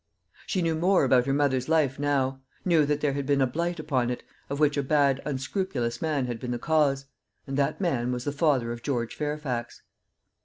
She knew more about her mother's life now; knew that there had been a blight upon it, of which a bad unscrupulous man had been the cause. And that man was the father of George Fairfax.